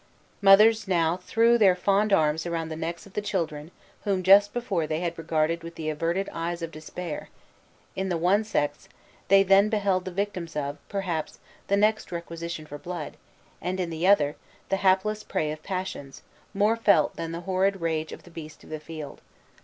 Mothers now threw their fond arms around the necks of the children whom just before they had regarded with the averted eyes of despair; in the one sex, they then beheld the victims of, perhaps, the next requisition for blood; and in the other, the hapless prey of passions, more felt than the horrid rage of the beast of the field.